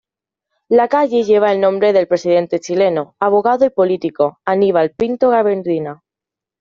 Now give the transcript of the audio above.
La calle lleva el nombre del Presidente Chileno, abogado y político Aníbal Pinto Garmendia.